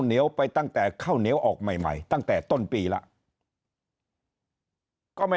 เหนียวไปตั้งแต่ข้าวเหนียวออกใหม่ใหม่ตั้งแต่ต้นปีแล้วก็ไม่